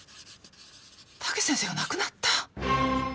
武先生が亡くなった？